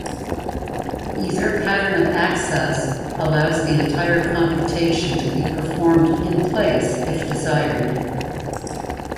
Either pattern of access allows the entire computation to be performed in-place if desired.